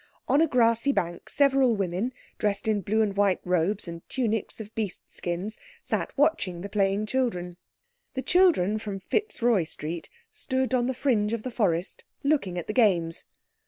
On a grassy bank several women, dressed in blue and white robes and tunics of beast skins sat watching the playing children. The children from Fitzroy Street stood on the fringe of the forest looking at the games.